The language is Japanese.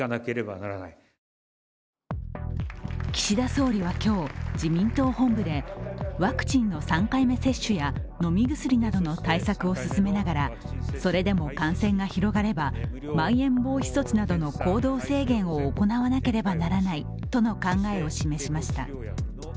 岸田総理は今日、自民党本部でワクチンの３回目接種や飲み薬などの対策を進めながらそれでも感染が広がればまん延防止措置などの行動制限措置を行わなければならないとの考えを示しました。